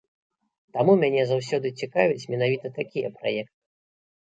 Таму мяне заўсёды цікавяць менавіта такія праекты.